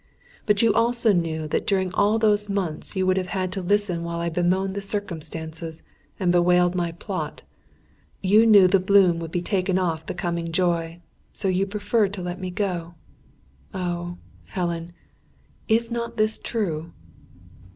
But you also knew that during all those months you would have had to listen while I bemoaned the circumstances, and bewailed my plot. You knew the bloom would be taken off the coming joy, so you preferred to let me go. Oh, Helen, is not this true?"